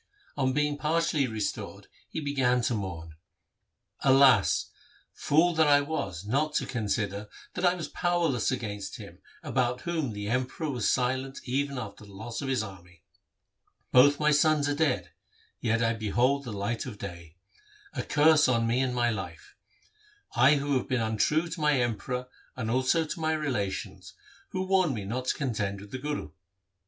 On being partially restored he began to mourn, ' Alas ! fool that I was not to consider that I was powerless against him about whom the Emperor was silent even after the loss of his army. Both my sons are dead, yet I behold the light of day. A curse on me and my life ! I have been untrue to my Emperor and also to my relations, who warned me not to contend with the Guru.